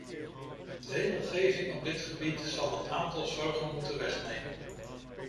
Regelgeving op dit gebied zal een aantal zorgen moeten wegnemen.